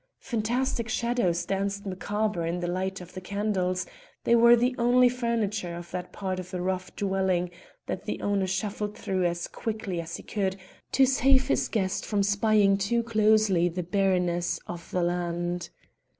Fantastic shadows danced macabre in the light of the candles; they were the only furniture of that part of the rough dwelling that the owner shuffled through as quickly as he could to save his guest from spying too closely the barrenness of the land.